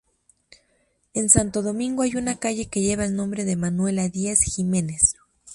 En Santo Domingo hay una calle que lleva el nombre de Manuela Diez Jimenez.